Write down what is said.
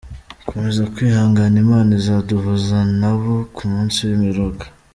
komeza kwihangana imana izaduhuzanabo kumunsi w’imperuka.